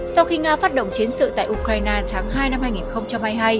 sau khi nga phát động chiến sự tại ukraine tháng hai năm hai nghìn hai mươi hai